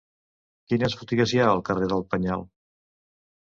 Quines botigues hi ha al carrer del Penyal?